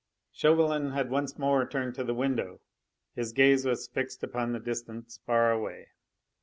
Chauvelin had once more turned to the window; his gaze was fixed upon the distance far away.